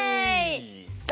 さあ